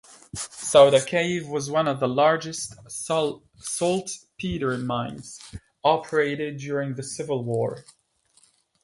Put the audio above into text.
Sauta Cave was one of the largest saltpeter mines operated during the Civil War.